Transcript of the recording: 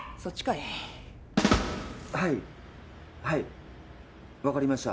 はいはい分かりました。